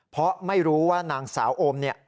เพราะไม่รู้ว่านางสาวโอมเนี่ย